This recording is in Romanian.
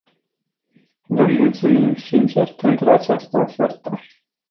Vă mulțumim sincer pentru această ofertă.